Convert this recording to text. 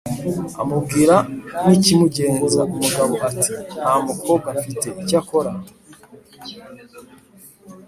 amubwira n' ikimugenza. umugabo ati:"nta mukobwa mfite, icyakora